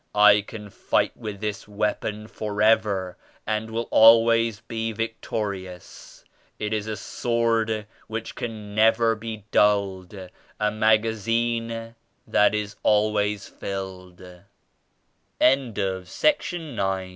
I can fight with this weapon forever and will always be victorious. It is a sword which can never be dulled ; a magazine that is always fill